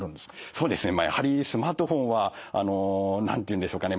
そうですねやはりスマートフォンはあの何というんでしょうかね